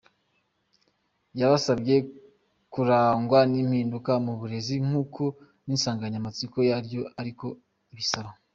Yabasabye kurangwa n’impinduka mu burezi nk’uko n’insanganyamatsiko yaryo ariko ibisaba.